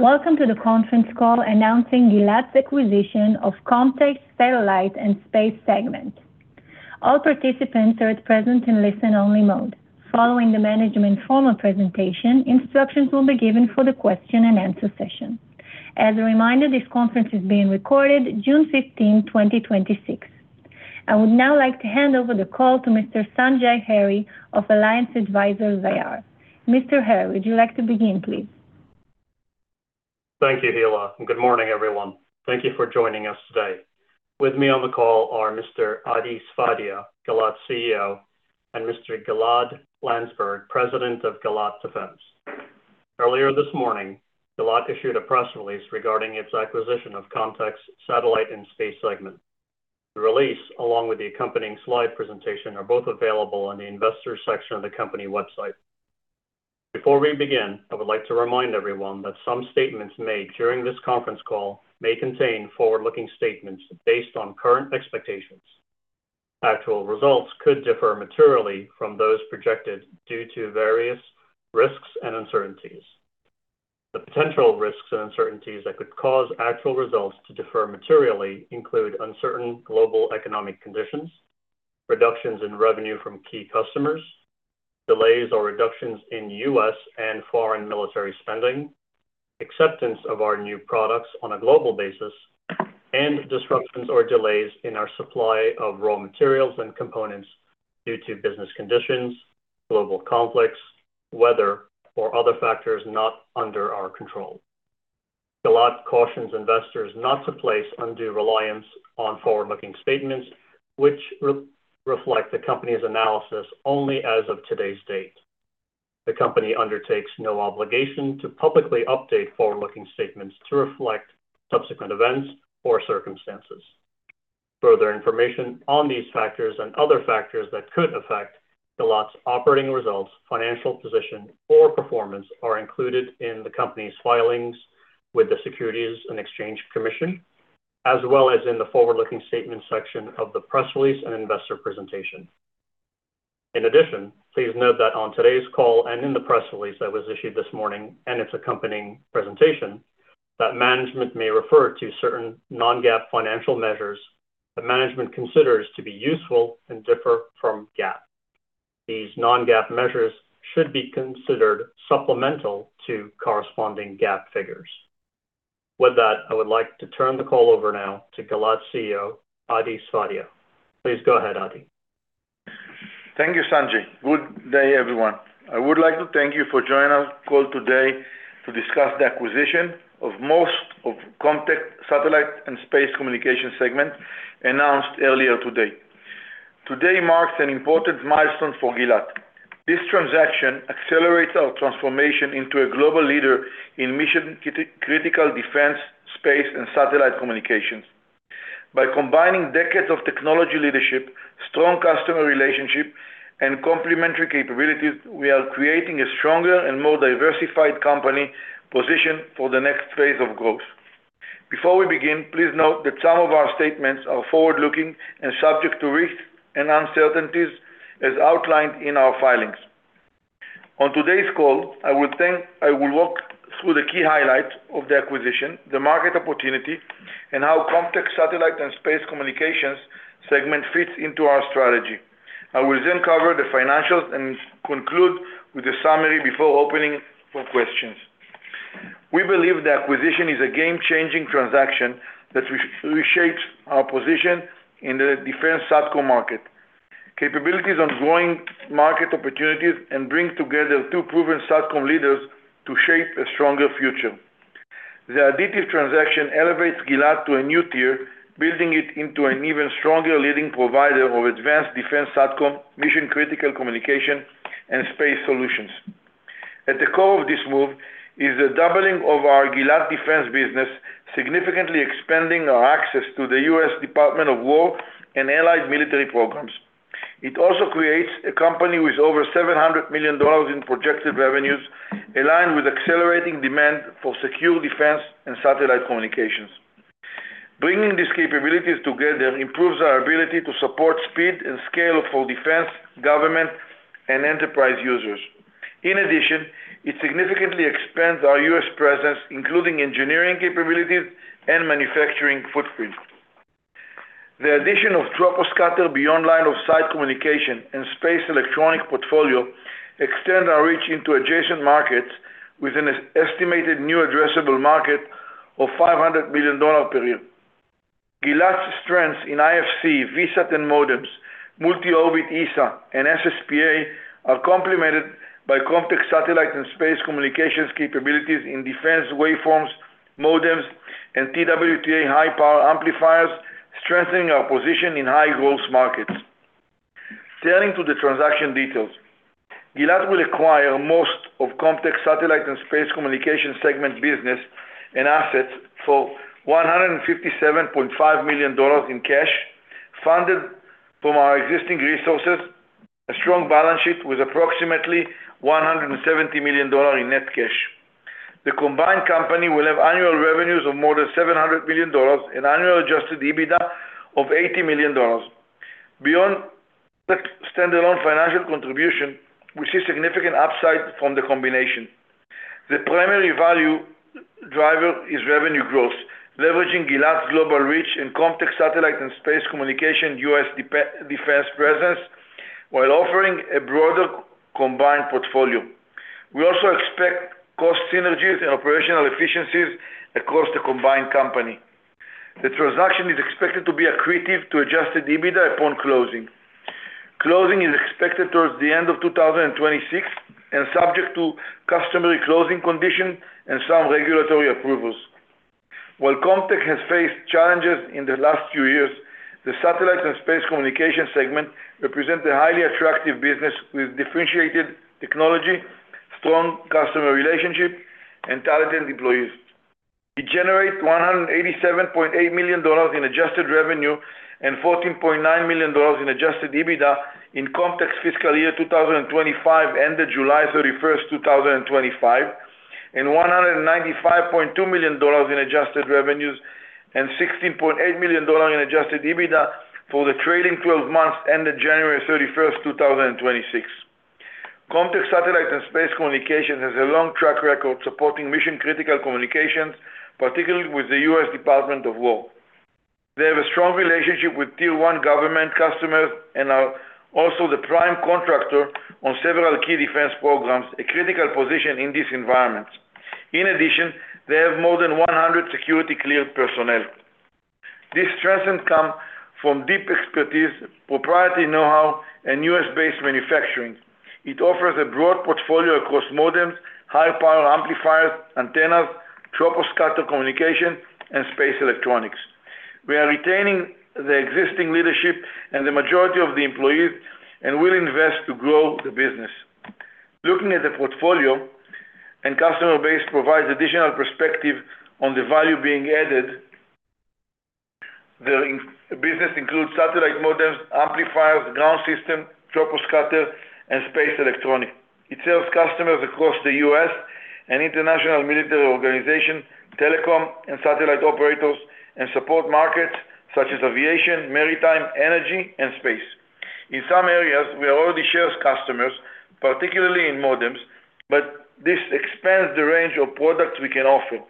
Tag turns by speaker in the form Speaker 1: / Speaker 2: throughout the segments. Speaker 1: Welcome to the conference call announcing Gilat's acquisition of Comtech's Satellite and Space segment. All participants are at present in listen-only mode. Following the management formal presentation, instructions will be given for the question and answer session. As a reminder, this conference is being recorded June 15, 2026. I would now like to hand over the call to Mr. Sanjay Hurry of Alliance Advisors IR. Mr. Hurry, would you like to begin, please?
Speaker 2: Thank you, Hilla, and good morning, everyone. Thank you for joining us today. With me on the call are Mr. Adi Sfadia, Gilat CEO, and Mr. Gilad Landsberg, President of Gilat Defense. Earlier this morning, Gilat issued a press release regarding its acquisition of Comtech's Satellite and Space segment. The release, along with the accompanying slide presentation, are both available on the investors section of the company website. Before we begin, I would like to remind everyone that some statements made during this conference call may contain forward-looking statements based on current expectations. Actual results could differ materially from those projected due to various risks and uncertainties. The potential risks and uncertainties that could cause actual results to differ materially include uncertain global economic conditions, reductions in revenue from key customers, delays or reductions in U.S. and foreign military spending, acceptance of our new products on a global basis, and disruptions or delays in our supply of raw materials and components due to business conditions, global conflicts, weather, or other factors not under our control. Gilat cautions investors not to place undue reliance on forward-looking statements which reflect the company's analysis only as of today's date. The company undertakes no obligation to publicly update forward-looking statements to reflect subsequent events or circumstances. Further information on these factors and other factors that could affect Gilat's operating results, financial position, or performance are included in the company's filings with the Securities and Exchange Commission, as well as in the forward-looking statement section of the press release and investor presentation. In addition, please note that on today's call and in the press release that was issued this morning and its accompanying presentation, that management may refer to certain non-GAAP financial measures that management considers to be useful and differ from GAAP. These non-GAAP measures should be considered supplemental to corresponding GAAP figures. With that, I would like to turn the call over now to Gilat CEO, Adi Sfadia. Please go ahead, Adi.
Speaker 3: Thank you, Sanjay. Good day, everyone. I would like to thank you for joining our call today to discuss the acquisition of most of Comtech's Satellite and Space Communication segment announced earlier today. Today marks an important milestone for Gilat. This transaction accelerates our transformation into a global leader in mission critical defense, space, and satellite communications. By combining decades of technology leadership, strong customer relationship, and complementary capabilities, we are creating a stronger and more diversified company positioned for the next phase of growth. Before we begin, please note that some of our statements are forward-looking and subject to risks and uncertainties as outlined in our filings. On today's call, I will walk through the key highlights of the acquisition, the market opportunity, and how Comtech Satellite and Space Communications segment fits into our strategy. I will then cover the financials and conclude with a summary before opening for questions. We believe the acquisition is a game-changing transaction that reshapes our position in the defense SatCom market. Capabilities ongoing market opportunities and bring together two proven SatCom leaders to shape a stronger future. The additive transaction elevates Gilat to a new tier, building it into an even stronger leading provider of advanced defense SatCom, mission-critical communication, and space solutions. At the core of this move is the doubling of our Gilat Defense business, significantly expanding our access to the U.S. Department of Defense and allied military programs. It also creates a company with over $700 million in projected revenues aligned with accelerating demand for secure defense and satellite communications. Bringing these capabilities together improves our ability to support speed and scale for defense, government, and enterprise users. In addition, it significantly expands our U.S. presence, including engineering capabilities and manufacturing footprint. The addition of troposcatter beyond line of sight communication and space electronic portfolio extend our reach into adjacent markets with an estimated new addressable market of $500 million per year. Gilat's strengths in IFC, VSAT and modems, multi-orbit ESA, and SSPA are complemented by Comtech Satellite and Space Communications capabilities in defense waveforms, modems, and TWTA high-power amplifiers, strengthening our position in high-growth markets. Turning to the transaction details. Gilat will acquire most of Comtech Satellite and Space Communication segment business and assets for $157.5 million in cash funded from our existing resources, a strong balance sheet with approximately $170 million in net cash. The combined company will have annual revenues of more than $700 million and annual adjusted EBITDA of $80 million. Beyond Standalone financial contribution, we see significant upside from the combination. The primary value driver is revenue growth, leveraging Gilat's global reach and Comtech's Satellite and Space Communication U.S. defense presence, while offering a broader combined portfolio. We also expect cost synergies and operational efficiencies across the combined company. The transaction is expected to be accretive to adjusted EBITDA upon closing. Closing is expected towards the end of 2026, subject to customary closing condition and some regulatory approvals. While Comtech has faced challenges in the last few years, the Satellite and Space Communications segment represent a highly attractive business with differentiated technology, strong customer relationship, and talented employees. It generates $187.8 million in adjusted revenue and $14.9 million in adjusted EBITDA in Comtech's fiscal year 2025, ended July 31st, 2025, and $195.2 million in adjusted revenues and $16.8 million in adjusted EBITDA for the trailing 12 months ended January 31st, 2026. Comtech Satellite and Space Communications has a long track record supporting mission-critical communications, particularly with the U.S. Department of Defense. They have a strong relationship with Tier 1 government customers and are also the prime contractor on several key defense programs, a critical position in these environments. In addition, they have more than 100 security-cleared personnel. These strengths come from deep expertise, proprietary know-how, and U.S.-based manufacturing. It offers a broad portfolio across modems, high-power amplifiers, antennas, troposcatter communication, and space electronics. We are retaining the existing leadership and the majority of the employees and will invest to grow the business. Looking at the portfolio and customer base provides additional perspective on the value being added. The business includes satellite modems, amplifiers, ground system, troposcatter, and space electronic. It serves customers across the U.S. and international military organizations, telecom, and satellite operators, and support markets such as aviation, maritime, energy, and space. In some areas, we already share customers, particularly in modems, but this expands the range of products we can offer.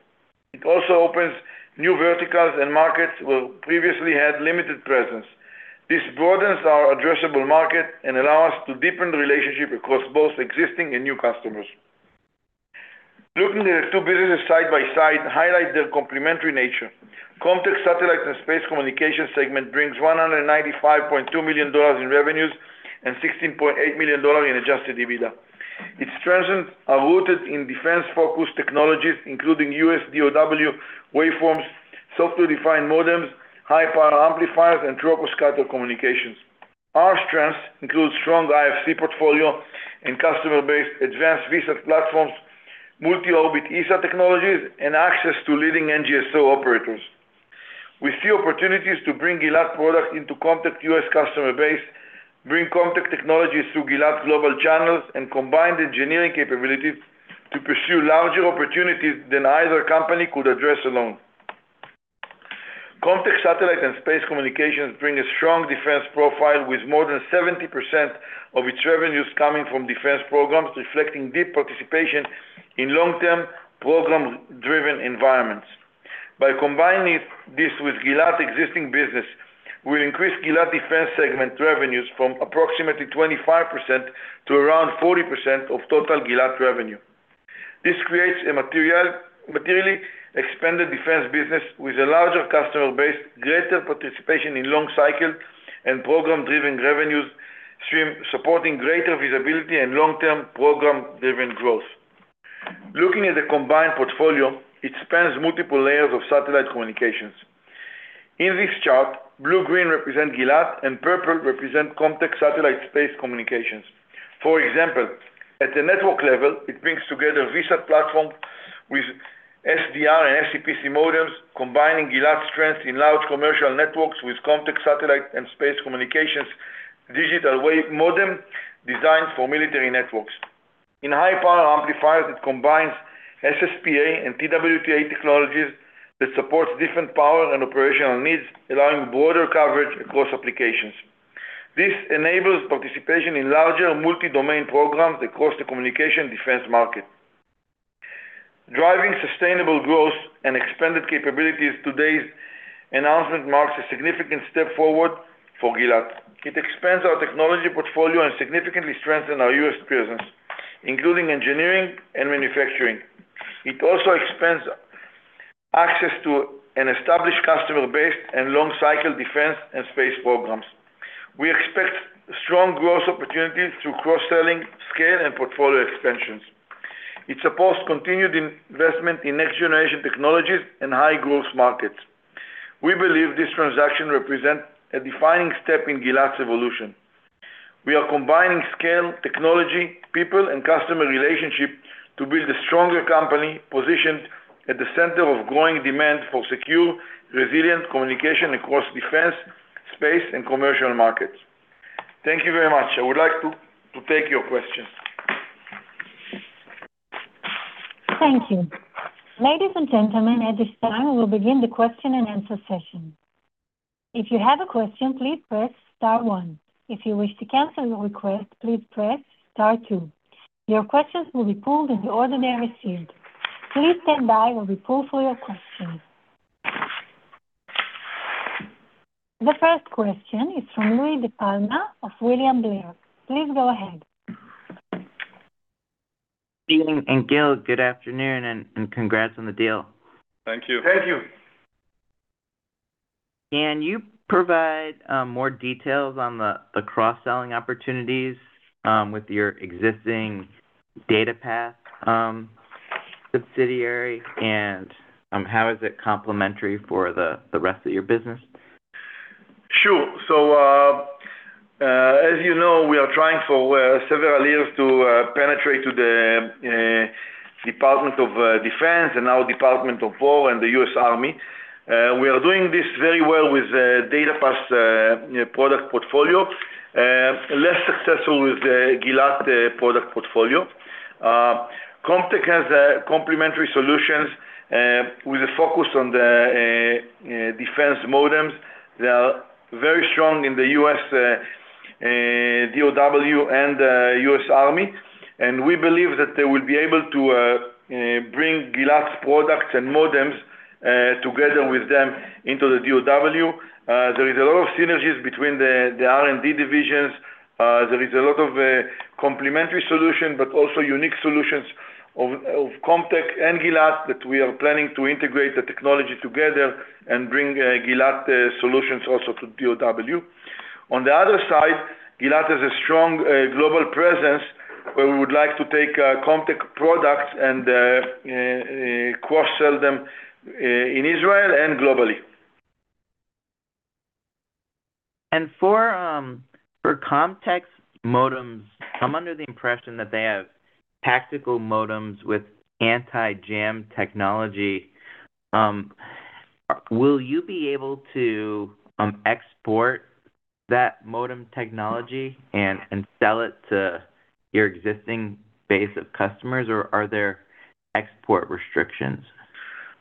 Speaker 3: It also opens new verticals and markets where we previously had limited presence. This broadens our addressable market and allows us to deepen the relationship across both existing and new customers. Looking at the two businesses side by side highlights their complementary nature. Comtech Satellite and Space Communications segment brings $195.2 million in revenues and $16.8 million in adjusted EBITDA. Its strengths are rooted in defense-focused technologies, including U.S. DoD waveforms, software-defined modems, high-power amplifiers, and troposcatter communications. Our strengths include strong IFC portfolio and customer base, advanced VSAT platforms, multi-orbit ESA technologies, and access to leading NGSO operators. We see opportunities to bring Gilat products into Comtech U.S. customer base, bring Comtech technologies through Gilat's global channels, and combine the engineering capabilities to pursue larger opportunities than either company could address alone. Comtech Satellite and Space Communications bring a strong defense profile with more than 70% of its revenues coming from defense programs, reflecting deep participation in long-term program-driven environments. By combining this with Gilat existing business, we increase Gilat defense segment revenues from approximately 25% to around 40% of total Gilat revenue. This creates a materially expanded defense business with a larger customer base, greater participation in long cycle and program-driven revenues stream, supporting greater visibility and long-term program-driven growth. Looking at the combined portfolio, it spans multiple layers of satellite communications. In this chart, blue-green represents Gilat and purple represents Comtech Satellite Space Communications. For example, at the network level, it brings together VSAT platform with SDR and SCPC modems, combining Gilat's strengths in large commercial networks with Comtech Satellite and Space Communications digital waveform modem designed for military networks. In high-power amplifiers, it combines SSPA and TWTA technologies that supports different power and operational needs, allowing broader coverage across applications. This enables participation in larger multi-domain programs across the communication defense market. Driving sustainable growth and expanded capabilities, today's announcement marks a significant step forward for Gilat. It expands our technology portfolio and significantly strengthens our U.S. presence, including engineering and manufacturing. It also expands access to an established customer base and long cycle defense and space programs. We expect strong growth opportunities through cross-selling scale and portfolio expansions. It supports continued investment in next-generation technologies and high-growth markets. We believe this transaction represents a defining step in Gilat's evolution. We are combining scale, technology, people, and customer relationship to build a stronger company positioned at the center of growing demand for secure, resilient communication across defense, space, and commercial markets. Thank you very much. I would like to take your questions.
Speaker 1: Thank you. Ladies and gentlemen, at this time, we'll begin the question and answer session. If you have a question, please press star one. If you wish to cancel your request, please press star two. Your questions will be pulled in the order they are received. Please stand by while we pull for your question. The first question is from Louie DiPalma of William Blair. Please go ahead.
Speaker 4: Sfadia and Gil, good afternoon, congrats on the deal.
Speaker 5: Thank you.
Speaker 3: Thank you.
Speaker 4: Can you provide more details on the cross-selling opportunities with your existing DataPath subsidiary, and how is it complementary for the rest of your business?
Speaker 3: Sure. As you know, we are trying for several years to penetrate to the Department of Defense and now Department of War and the U.S. Army. We are doing this very well with DataPath's product portfolio, less successful with the Gilat product portfolio. Comtech has complementary solutions with a focus on the defense modems that are very strong in the U.S. DOW and U.S. Army, and we believe that they will be able to bring Gilat's products and modems together with them into the DOW. There is a lot of synergies between the R&D divisions. There is a lot of complementary solutions, but also unique solutions of Comtech and Gilat that we are planning to integrate the technology together and bring Gilat solutions also to DOW. On the other side, Gilat has a strong global presence where we would like to take Comtech products and cross-sell them in Israel and globally.
Speaker 4: I'm under the impression that they have tactical modems with anti-jam technology. Will you be able to export that modem technology and sell it to your existing base of customers, or are there export restrictions?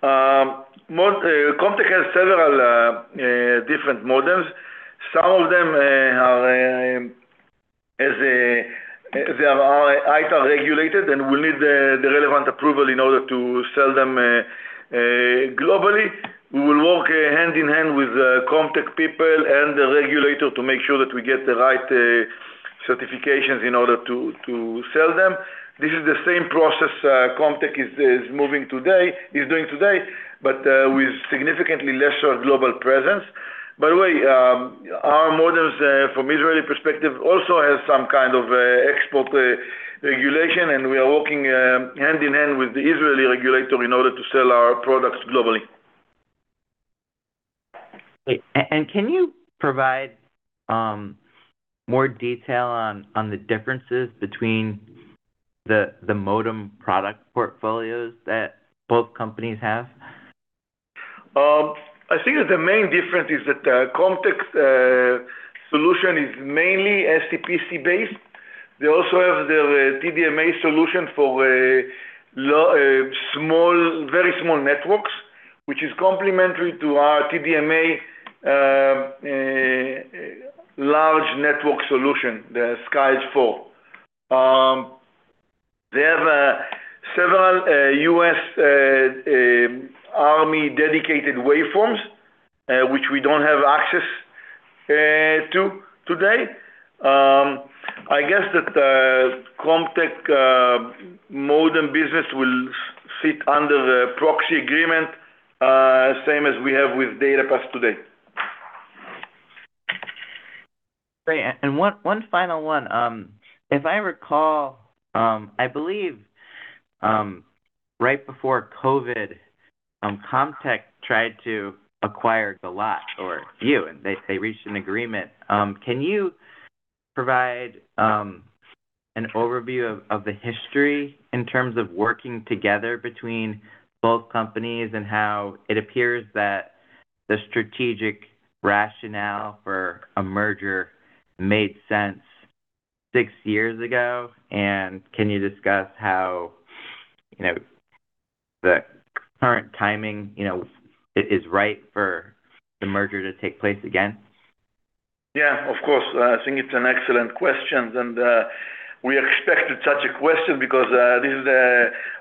Speaker 3: Comtech has several different modems. Some of them are ITAR regulated. We'll need the relevant approval in order to sell them globally. We will work hand-in-hand with Comtech people and the regulator to make sure that we get the right certifications in order to sell them. This is the same process Comtech is doing today, but with significantly lesser global presence. By the way, our modems from Israeli perspective also has some kind of export regulation. We are working hand-in-hand with the Israeli regulator in order to sell our products globally.
Speaker 4: Can you provide more detail on the differences between the modem product portfolios that both companies have?
Speaker 3: I think that the main difference is that Comtech's solution is mainly SCPC-based. They also have their TDMA solution for very small networks, which is complementary to our TDMA large network solution, the SkyEdge IV. They have several U.S. Army dedicated waveforms, which we don't have access to today. I guess that Comtech modem business will sit under the proxy agreement, same as we have with DataPath today.
Speaker 4: Great. One final one. If I recall, I believe right before COVID, Comtech tried to acquire Gilat or you. They reached an agreement. Can you provide an overview of the history in terms of working together between both companies and how it appears that the strategic rationale for a merger made sense six years ago? Can you discuss how the current timing is right for the merger to take place again?
Speaker 3: Yeah, of course. I think it's an excellent question. We expected such a question because this is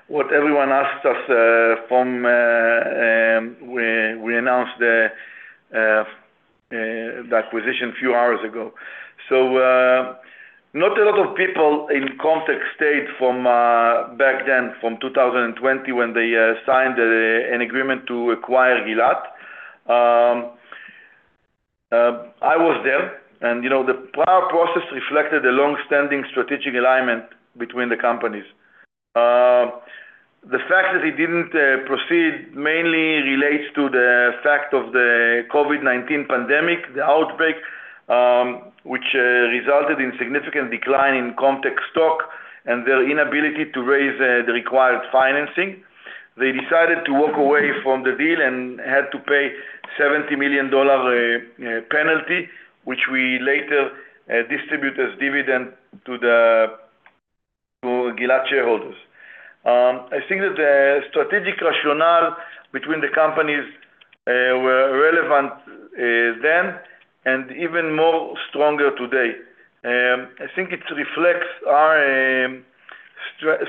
Speaker 3: what everyone asked us when we announced the acquisition a few hours ago. Not a lot of people in Comtech stayed from back then, from 2020, when they signed an agreement to acquire Gilat. I was there. The prior process reflected a longstanding strategic alignment between the companies. The fact that it didn't proceed mainly relates to the fact of the COVID-19 pandemic, the outbreak, which resulted in significant decline in Comtech stock and their inability to raise the required financing. They decided to walk away from the deal and had to pay $70 million penalty, which we later distribute as dividend to Gilat shareholders. I think that the strategic rationale between the companies were relevant then and even more stronger today. I think it reflects our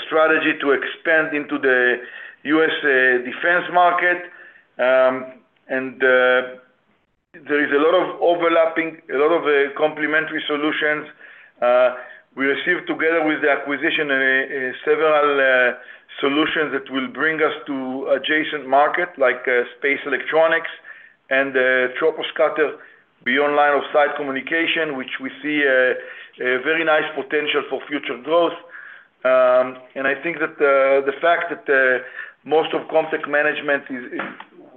Speaker 3: strategy to expand into the U.S. defense market. There is a lot of overlapping, a lot of complementary solutions. We received together with the acquisition, several solutions that will bring us to adjacent market, like space electronics and troposcatter beyond line of sight communication, which we see a very nice potential for future growth. I think that the fact that most of Comtech management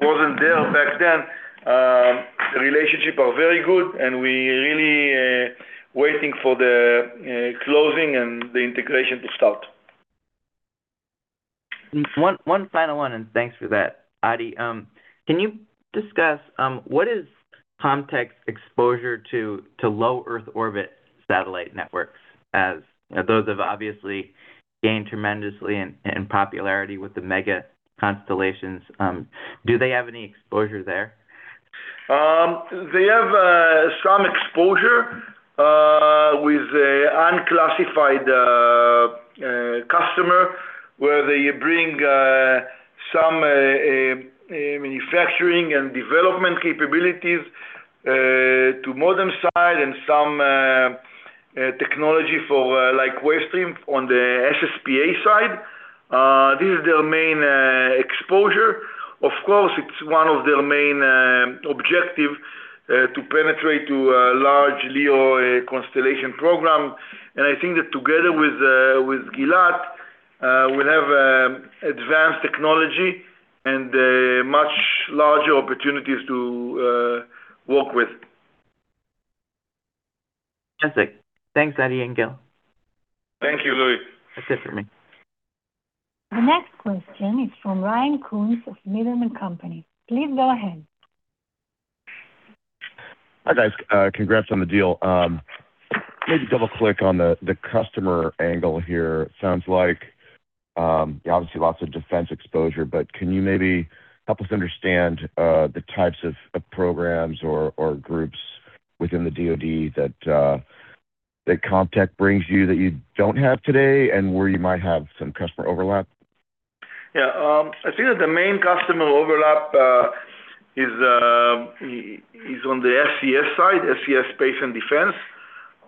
Speaker 3: wasn't there back then, the relationship are very good, and we really waiting for the closing and the integration to start.
Speaker 4: One final one. Thanks for that. Adi, can you discuss what is Comtech's exposure to low Earth orbit satellite networks, as those have obviously gained tremendously in popularity with the mega constellations? Do they have any exposure there?
Speaker 3: They have some exposure with unclassified customer, where they bring some manufacturing and development capabilities to modern side and some technology for like Wavestream on the SSPA side. This is their main exposure. Of course, it's one of their main objective to penetrate to a large LEO constellation program. I think that together with Gilat, we'll have advanced technology and much larger opportunities to work with.
Speaker 4: That's it. Thanks, Adi and Gil.
Speaker 3: Thank you, Louie.
Speaker 4: That's it for me.
Speaker 1: The next question is from Ryan Koontz of Needham and Company. Please go ahead.
Speaker 6: Hi, guys. Congrats on the deal. Maybe double-click on the customer angle here. Sounds like, obviously lots of defense exposure, but can you maybe help us understand the types of programs or groups within the DoD that Comtech brings you that you don't have today, and where you might have some customer overlap?
Speaker 3: Yeah. I think that the main customer overlap is on the SES side, SES Space & Defense.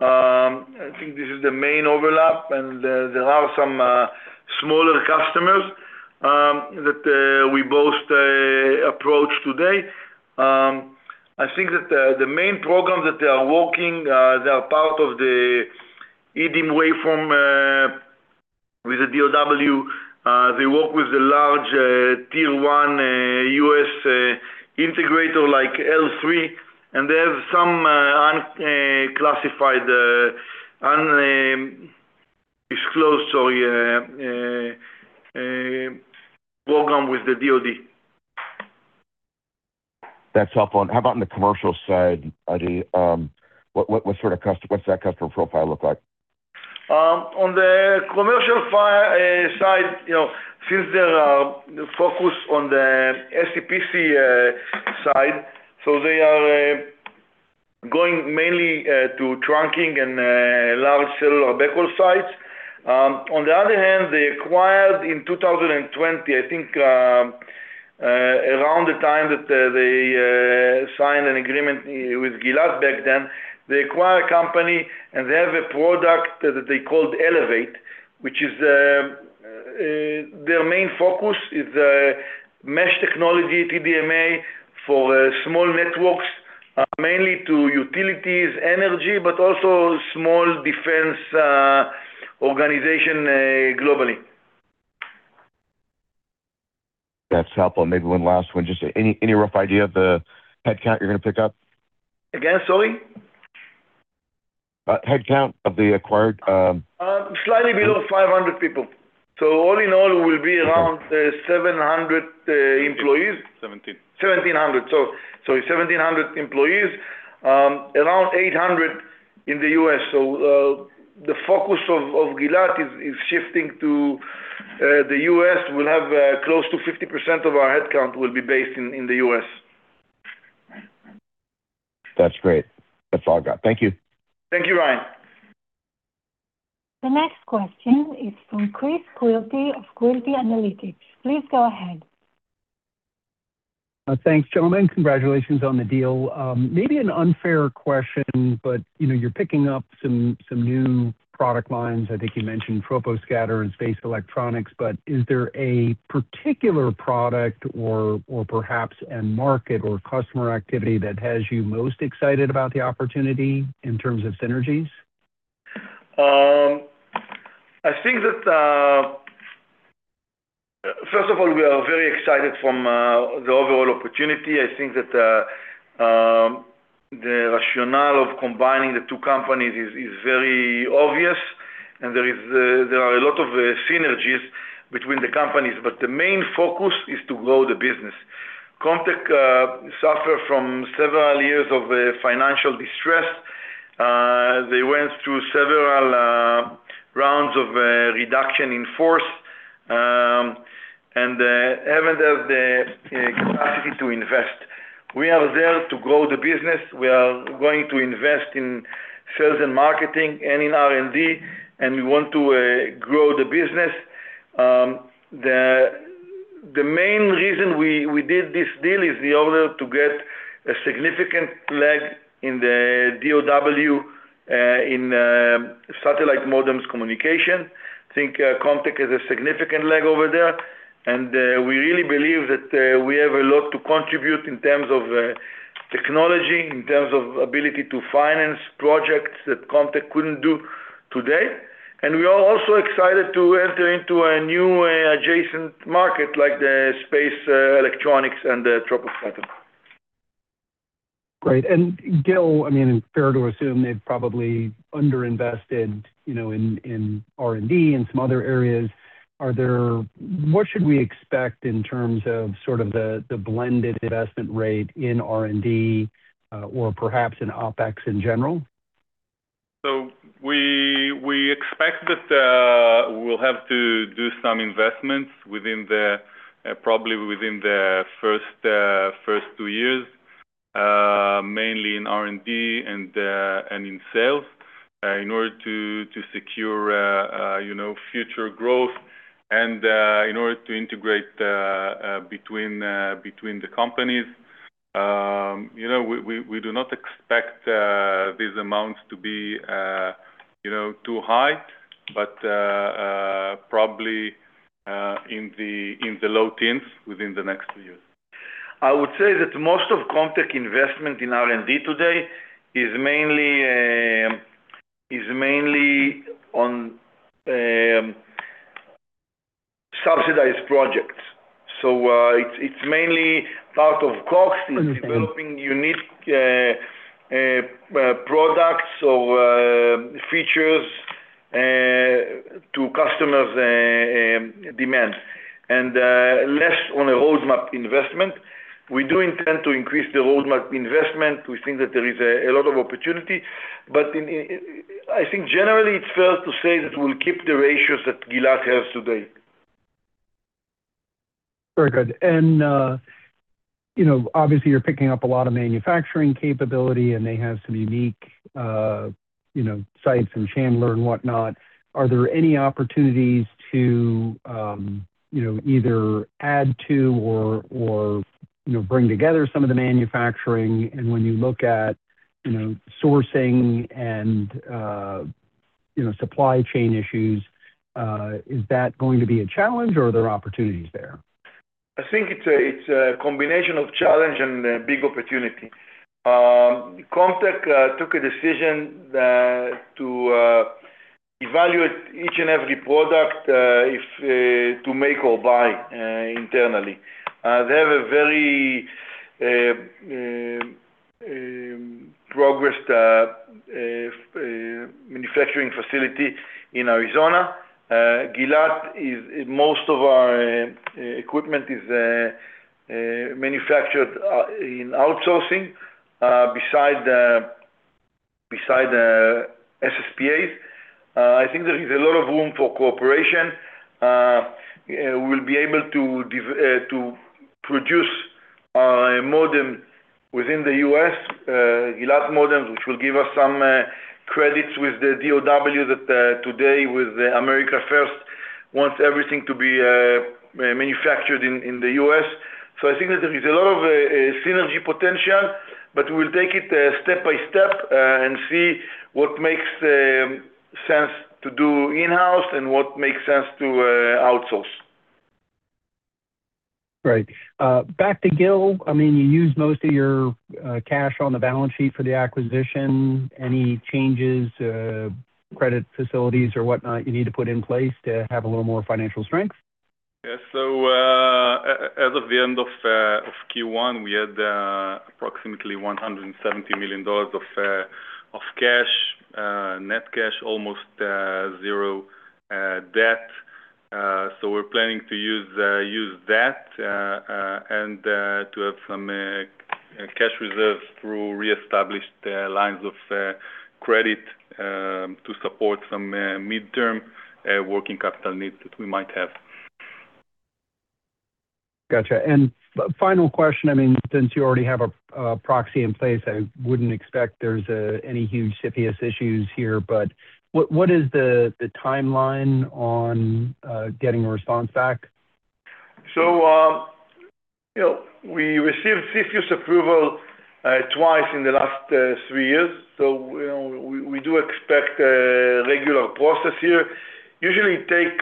Speaker 3: I think this is the main overlap, and there are some smaller customers that we both approach today. I think that the main program that they are working, they are part of the EDM waveform with the DOW. They work with the large Tier 1 U.S. integrator like L3, and they have some unclassified, undisclosed, sorry, program with the DoD.
Speaker 6: That's helpful. How about on the commercial side, Adi? What's that customer profile look like?
Speaker 3: On the commercial side, since they're focused on the SCPC side, they are going mainly to trunking and large cell or backhaul sites. On the other hand, they acquired in 2020, I think around the time that they signed an agreement with Gilat back then, they acquire a company, and they have a product that they called Elevate, which is their main focus is mesh technology, TDMA for small networks mainly to utilities, energy, but also small defense organization globally.
Speaker 6: That's helpful. Maybe one last one. Just any rough idea of the headcount you're going to pick up?
Speaker 3: Again, sorry?
Speaker 6: Headcount of the acquired.
Speaker 3: Slightly below 500 people. All in all, we'll be around 700 employees.
Speaker 7: 1,700.
Speaker 3: 1,700. 1,700 employees. Around 800 in the U.S. The focus of Gilat is shifting to the U.S. We'll have close to 50% of our headcount will be based in the U.S.
Speaker 6: That's great. That's all I got. Thank you.
Speaker 3: Thank you, Ryan.
Speaker 1: The next question is from Chris Quilty of Quilty Space. Please go ahead.
Speaker 8: Thanks, gentlemen. Congratulations on the deal. Maybe an unfair question, but you're picking up some new product lines. I think you mentioned troposcatter and space electronics, but is there a particular product or perhaps a market or customer activity that has you most excited about the opportunity in terms of synergies?
Speaker 3: I think, first of all, we are very excited from the overall opportunity. I think the rationale of combining the two companies is very obvious, and there are a lot of synergies between the companies. The main focus is to grow the business. Comtech suffered from several years of financial distress. They went through several rounds of reduction in force, and they haven't had the capacity to invest. We are there to grow the business. We are going to invest in sales and marketing and in R&D, and we want to grow the business. The main reason we did this deal is the order to get a significant leg in the DOW in satellite modems communication. I think Comtech has a significant leg over there, and we really believe that we have a lot to contribute in terms of technology, in terms of ability to finance projects that Comtech couldn't do today. We are also excited to enter into a new adjacent market like the space electronics and the troposcatter.
Speaker 8: Great. Gil, it's fair to assume they've probably under-invested in R&D and some other areas. What should we expect in terms of sort of the blended investment rate in R&D or perhaps in OpEx in general?
Speaker 7: We expect that we'll have to do some investments probably within the first two years, mainly in R&D and in sales, in order to secure future growth and in order to integrate between the companies. We do not expect these amounts to be too high, but probably in the $ low tens within the next two years.
Speaker 3: I would say that most of Comtech investment in R&D today is mainly on subsidized projects. It's mainly part of COGS, it's developing unique products or features to customers' demands, and less on a roadmap investment. We do intend to increase the roadmap investment. We think that there is a lot of opportunity. I think generally, it's fair to say that we'll keep the ratios that Gilat has today.
Speaker 8: Very good. Obviously, you're picking up a lot of manufacturing capability, and they have some unique sites in Chandler and whatnot. Are there any opportunities to either add to or bring together some of the manufacturing? When you look at sourcing and supply chain issues, is that going to be a challenge, or are there opportunities there?
Speaker 3: I think it's a combination of challenge and a big opportunity. Comtech took a decision to evaluate each and every product if to make or buy internally. They have a very progressed manufacturing facility in Arizona. Gilat, most of our equipment is manufactured in outsourcing beside the SSPAs. I think there is a lot of room for cooperation. We'll be able to produce a modem within the U.S., Gilat modems, which will give us some credits with the DoD that today with America First wants everything to be manufactured in the U.S. I think that there is a lot of synergy potential, we'll take it step by step and see what makes sense to do in-house and what makes sense to outsource.
Speaker 8: Right. Back to Gil. You used most of your cash on the balance sheet for the acquisition. Any changes, credit facilities or whatnot you need to put in place to have a little more financial strength?
Speaker 7: Yeah. As of the end of Q1, we had approximately $170 million of cash, net cash, almost zero debt. We're planning to use that and to have some cash reserves through reestablished lines of credit to support some midterm working capital needs that we might have.
Speaker 8: Got you. Final question, since you already have a proxy in place, I wouldn't expect there is any huge CFIUS issues here, but what is the timeline on getting a response back?
Speaker 3: We received CFIUS approval twice in the last three years, so we do expect a regular process here. Usually take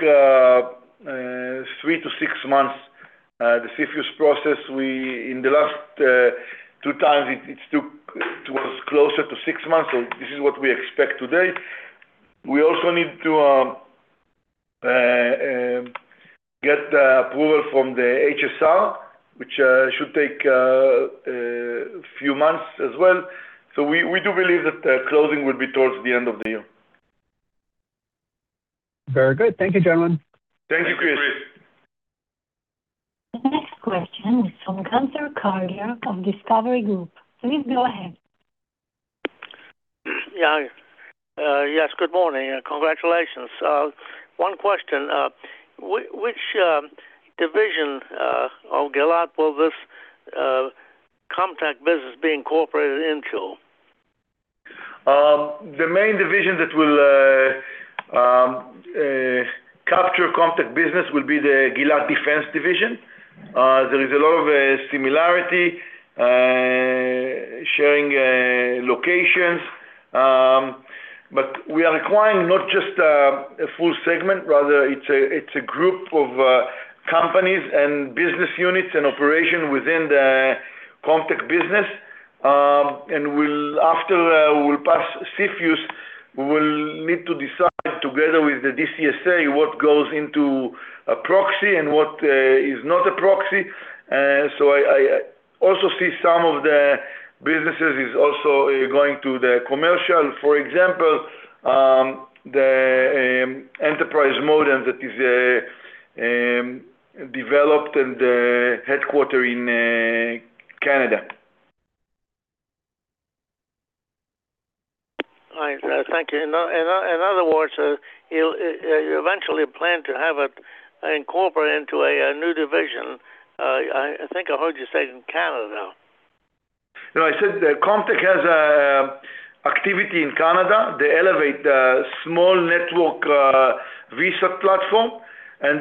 Speaker 3: three to six months, the CFIUS process. In the last two times, it was closer to six months, so this is what we expect today. Get the approval from the HSR, which should take a few months as well. We do believe that the closing will be towards the end of the year.
Speaker 8: Very good. Thank you, gentlemen.
Speaker 3: Thank you, Chris.
Speaker 7: Thank you, Chris.
Speaker 1: The next question is from Gunther Karger of Discovery Group. Please go ahead.
Speaker 9: Yes. Good morning, and congratulations. One question. Which division of Gilat will this Comtech business be incorporated into?
Speaker 3: The main division that will capture Comtech business will be the Gilat Defense division. There is a lot of similarity, sharing locations. We are acquiring not just a full segment. Rather, it's a group of companies and business units and operation within the Comtech business. After we will pass CFIUS, we will need to decide together with the DCSA what goes into a proxy and what is not a proxy. I also see some of the businesses is also going to the commercial. For example, the enterprise modem that is developed and headquarter in Canada.
Speaker 9: All right. Thank you. In other words, you'll eventually plan to have it incorporated into a new division, I think I heard you say, in Canada.
Speaker 3: No, I said Comtech has activity in Canada. They Elevate small network VSAT platform.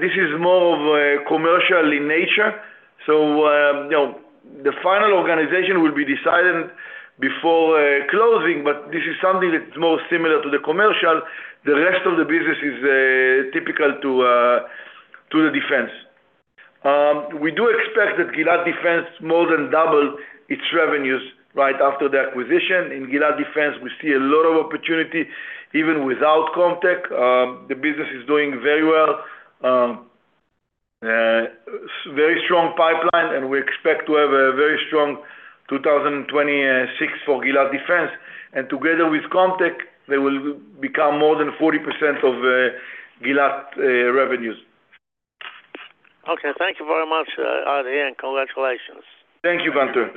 Speaker 3: This is more of commercial in nature. The final organization will be decided before closing. This is something that's more similar to the commercial. The rest of the business is typical to the Gilat Defense. We do expect that Gilat Defense more than double its revenues right after the acquisition. In Gilat Defense, we see a lot of opportunity, even without Comtech. The business is doing very well. Very strong pipeline. We expect to have a very strong 2026 for Gilat Defense. Together with Comtech, they will become more than 40% of Gilat revenues.
Speaker 9: Okay. Thank you very much, Adi, and congratulations.
Speaker 3: Thank you, Gunther.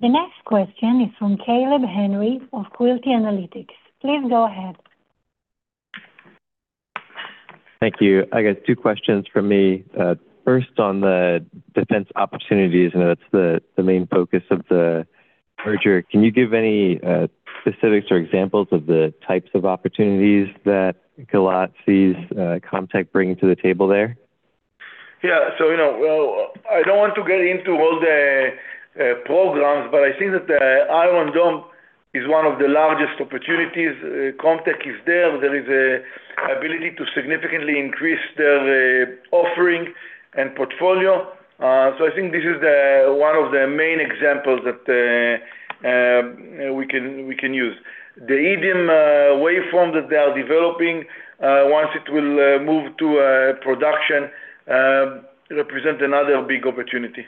Speaker 1: The next question is from Caleb Henry of Quilty Space. Please go ahead.
Speaker 10: Thank you. I got two questions from me. First, on the defense opportunities, I know that's the main focus of the merger. Can you give any specifics or examples of the types of opportunities that Gilat sees Comtech bringing to the table there?
Speaker 3: Yeah. I don't want to get into all the programs, but I think that the Iron Dome is one of the largest opportunities. Comtech is there. There is ability to significantly increase their offering and portfolio. I think this is one of the main examples that we can use. The EDM waveform that they are developing, once it will move to production, represent another big opportunity.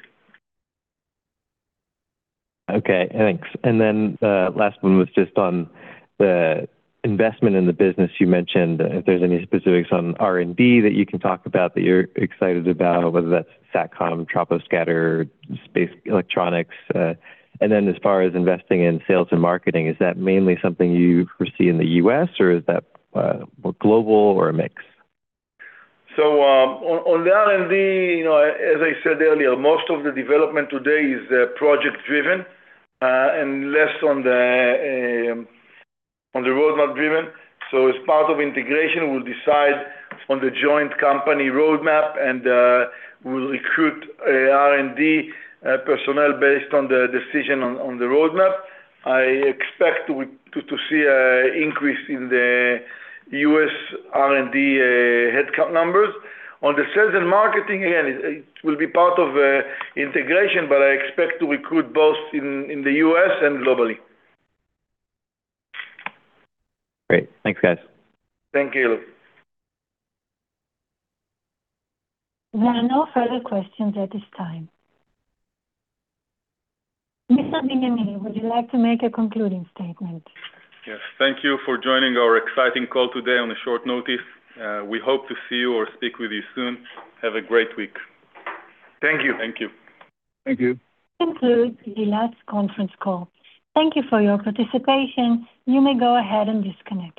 Speaker 10: Okay, thanks. Last one was just on the investment in the business you mentioned, if there's any specifics on R&D that you can talk about that you're excited about, whether that's SATCOM, troposcatter, space electronics. As far as investing in sales and marketing, is that mainly something you foresee in the U.S., or is that more global or a mix?
Speaker 3: On the R&D, as I said earlier, most of the development today is project driven, and less on the roadmap-driven. As part of integration, we'll decide on the joint company roadmap, and we'll recruit R&D personnel based on the decision on the roadmap. I expect to see an increase in the U.S. R&D headcount numbers. On the sales and marketing, again, it will be part of integration, but I expect to recruit both in the U.S. and globally.
Speaker 10: Great. Thanks, guys.
Speaker 3: Thank you.
Speaker 1: There are no further questions at this time. Mr. Benyamini, would you like to make a concluding statement?
Speaker 7: Yes. Thank you for joining our exciting call today on a short notice. We hope to see you or speak with you soon. Have a great week.
Speaker 3: Thank you.
Speaker 7: Thank you.
Speaker 5: Thank you.
Speaker 1: This concludes Gilat's conference call. Thank you for your participation. You may go ahead and disconnect.